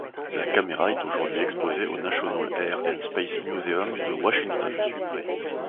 La caméra est aujourd'hui exposée au National Air and Space Museum de Washington.